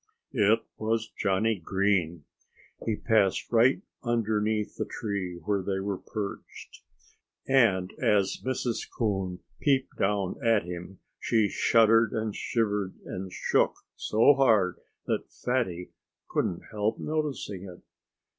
It was Johnnie Green! He passed right underneath the tree where they were perched. And as Mrs. Coon peeped down at him she shuddered and shivered and shook so hard that Fatty couldn't help noticing it.